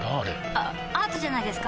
あアートじゃないですか？